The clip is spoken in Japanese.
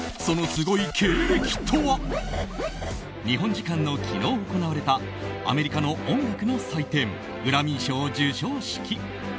日本時間の昨日、行われたアメリカの音楽の祭典グラミー賞授賞式。